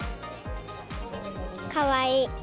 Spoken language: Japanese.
かわいい。